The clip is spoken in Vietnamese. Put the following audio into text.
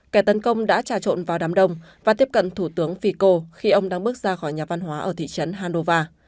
kẻ tấn công đã trà trộn vào đám đông và tiếp cận thủ tướng fico khi ông đang bước ra khỏi nhà văn hóa ở thị trấn hanova